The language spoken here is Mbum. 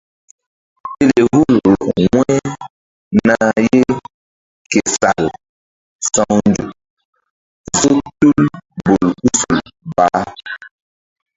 Pelehul rɔk wu̧y nah ye ke sal sawnzuk zo tul bolkusol bah.